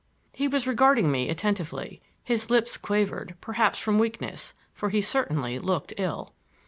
He was regarding me attentively. His lips quavered, perhaps from weakness, for he certainly looked ill.